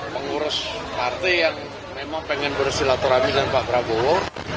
pengurus partai yang memang pengen bersilaturahmi dengan pak prabowo